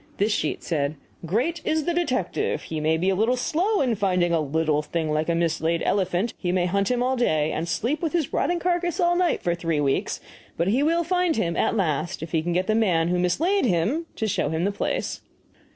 This sheet said, "Great is the detective! He may be a little slow in finding a little thing like a mislaid elephant he may hunt him all day and sleep with his rotting carcass all night for three weeks, but he will find him at last if he can get the man who mislaid him to show him the place!"